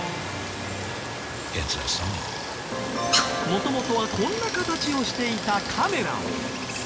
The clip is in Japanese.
元々はこんな形をしていたカメラを。